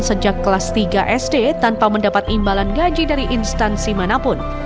sejak kelas tiga sd tanpa mendapat imbalan gaji dari instansi manapun